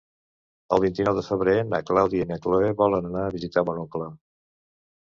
El vint-i-nou de febrer na Clàudia i na Cloè volen anar a visitar mon oncle.